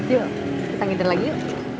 yuk kita ngider lagi yuk